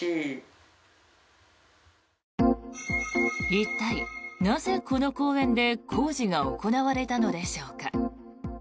一体、なぜこの公園で工事が行われたのでしょうか。